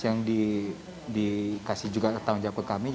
yang dikasih juga ke tangan jangkut kami